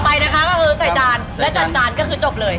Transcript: ไปนะคะก็คือใส่จานและจานจานก็คือจบเลย